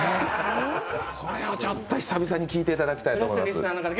これを久々に聞いていただきたいと思います。